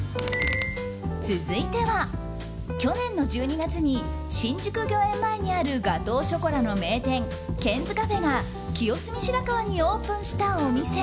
続いては、去年の１２月に新宿御苑前にあるガトーショコラの名店ケンズカフェが清澄白河にオープンしたお店。